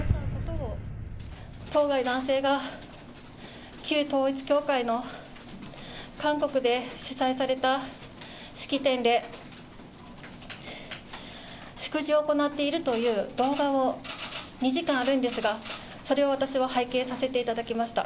当該男性が、旧統一教会の韓国で主催された式典で祝辞を行っているという動画を２時間あるんですが、それを私は拝見させていただきました。